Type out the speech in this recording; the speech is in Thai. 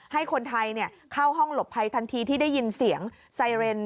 ให้คนไทยเข้าห้องหลบภัยทันทีที่ได้ยินเสียงไซเรน